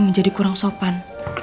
menjadi kurang sopan